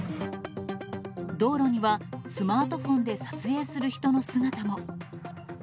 道路にはスマートフォンで撮影する人の姿も。